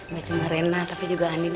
gak cuma rena tapi juga andin